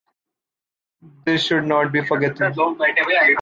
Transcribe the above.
This should not be forgotten.